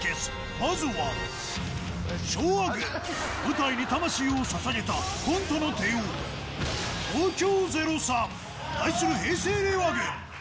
まずは、昭和軍、舞台に魂をささげたコントの帝王、東京０３。対する平成・令和軍。